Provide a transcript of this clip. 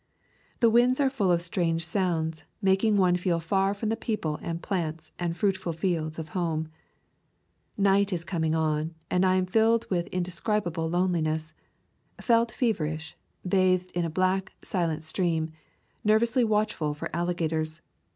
The winds are full of strange sounds, making one feel far from the people and plants and fruit ful fields of home. Night is coming on and I am filled with indescribable loneliness. Felt fever ish; bathed in a black, silent stream; nervously watchful for alligators.